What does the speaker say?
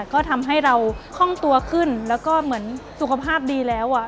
ก็ทำให้เราคล่องตัวขึ้นสุขภาพดีแล้ว